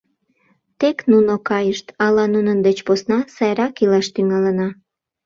Тек нуно кайышт, ала нунын деч посна сайрак илаш тӱҥалына.